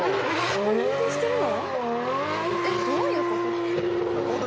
これ運転してるの？